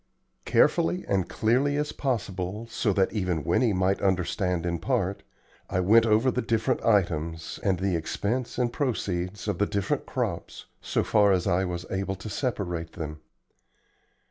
Carefully and clearly as possible, so that even Winnie might understand in part, I went over the different items, and the expense and proceeds of the different crops, so far as I was able to separate them.